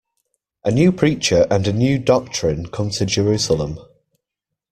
A new preacher and a new doctrine come to Jerusalem.